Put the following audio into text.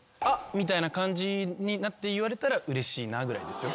みたいな感じになって言われたらうれしいなぐらいですよ。